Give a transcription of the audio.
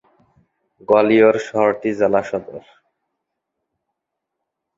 গোয়ালিয়র শহরটি জেলা সদর।